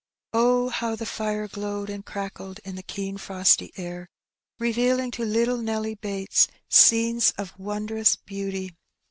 Oh, how the fire glowed and crackled in the keen frosty air, revealing to little Nelly Bates scenes of wondrous beauty!